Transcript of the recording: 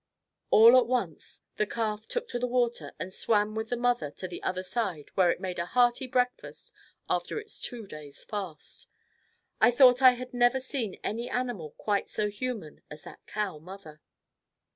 All at once, the calf took to the water and swam with the mother to the other side where it made a hearty breakfast after its two days fast. I thought I had never seen any animal quite so human as that cow mother.